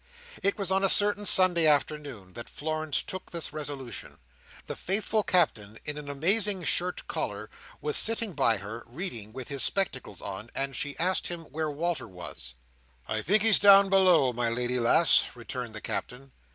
It was on a certain Sunday afternoon, that Florence took this resolution. The faithful Captain, in an amazing shirt collar, was sitting by her, reading with his spectacles on, and she asked him where Walter was. "I think he's down below, my lady lass," returned the Captain.